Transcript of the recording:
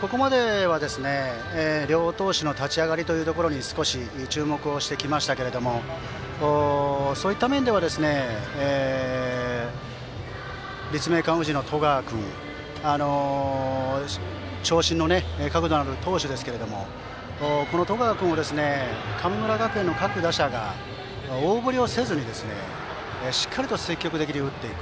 ここまでは、両投手の立ち上がりというところに少し注目をしてきましたけどそういった面では立命館宇治の十川君長身の角度のある投手ですけどもこの十川君を神村学園の各打者が大振りせずにしっかり積極的に打っていく。